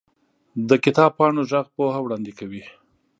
د کتاب پاڼو ږغ پوهه وړاندې کوي.